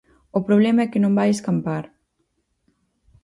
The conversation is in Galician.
O problema é que non vai escampar.